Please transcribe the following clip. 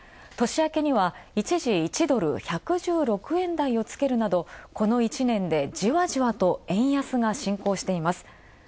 年明けには、一時１ドル１１６円台をつけるなど、この１年でじわじわと円安が進行しています。